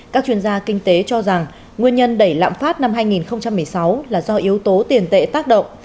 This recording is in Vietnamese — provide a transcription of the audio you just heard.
các chuyên gia kinh tế cho rằng nguyên nhân đẩy lạm phát năm hai nghìn một mươi sáu là do yếu tố tiền tệ tác động